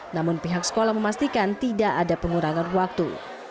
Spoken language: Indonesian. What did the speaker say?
namun pihak sekolah memastikan tidak ada pengurangan waktu